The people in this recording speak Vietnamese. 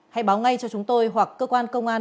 hãy báo ngay cho chúng tôi hoặc cơ quan công an